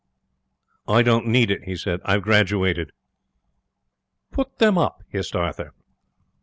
'I don't need it,' he said. 'I've graduated.' 'Put them up!' hissed Arthur.